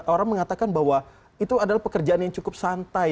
orang mengatakan bahwa itu adalah pekerjaan yang cukup santai